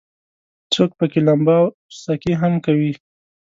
څوک پکې لمبا او سکي هم کوي.